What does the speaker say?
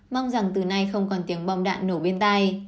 mong rằng từ nay không còn tiếng bom đạn nổ bên tai